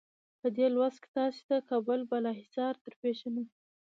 په دې لوست کې تاسې ته کابل بالا حصار درپېژنو.